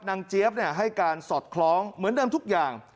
เจี๊ยบให้การสอดคล้องเหมือนเดิมทุกอย่าง